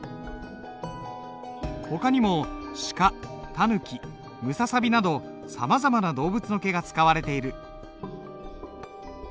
ほかにもシカタヌキムササビなどさまざまな動物の毛が使われている。